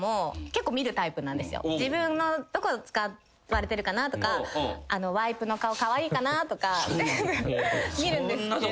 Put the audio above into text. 自分のどこ使われてるかなとかワイプの顔カワイイかなとか全部見るんですけど。